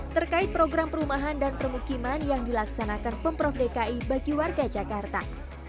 terkait program perumahan dan permukiman yang dilaksanakan pemprov dki bagi warga jakarta